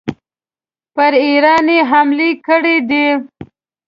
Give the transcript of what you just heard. پر ایران یې حملې کړي دي.